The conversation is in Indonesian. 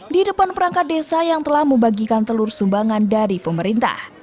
di depan perangkat desa yang telah membagikan telur sumbangan dari pemerintah